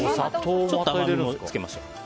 ちょっと甘みもつけましょう。